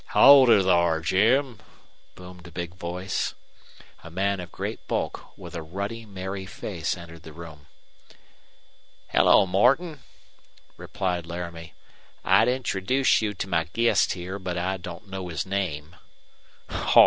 "Howdy thar, Jim," boomed a big voice. A man of great bulk, with a ruddy, merry face, entered the room. "Hello, Morton," replied Laramie. "I'd introduce you to my guest here, but I don't know his name." "Haw!